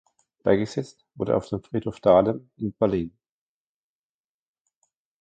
Beigesetzt wurde er auf dem Friedhof Dahlem in Berlin.